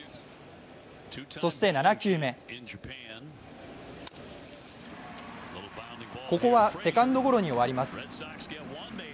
そして７球目ここはセカンドゴロに終わります。